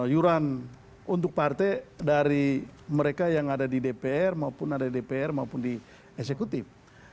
yuran untuk partai dari mereka yang ada di dpr maupun ada di dpr maupun di eksekutif